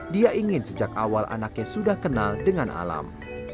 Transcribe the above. dia ingin sejak awal anaknya sudah kenal dengan alam